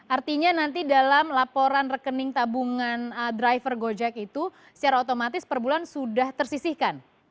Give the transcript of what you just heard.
artinya nanti dalam laporan rekening tabungan driver gojek itu secara otomatis per bulan sudah tersisihkan